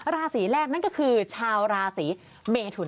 ราศีแรกนั่นก็คือชาวราศีเมทุน